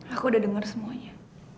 aku udah denger semuanya